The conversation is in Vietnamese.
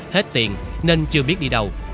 hết tiền nên chưa biết đi đâu